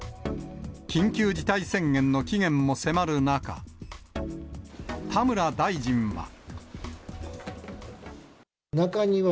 緊急事態宣言の期限も迫る中、田村大臣は。